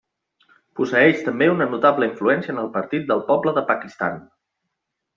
Posseïx també una notable influència en el Partit del Poble de Pakistan.